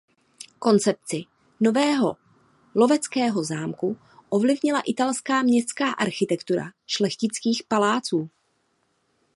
Koncepci nového loveckého zámku ovlivnila italská městská architektura šlechtických paláců.